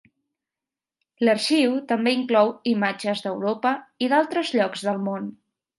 L'arxiu també inclou imatges d'Europa i d'altres llocs del món.